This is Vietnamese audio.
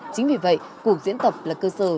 chính vì vậy cuộc diễn tập là cơ sở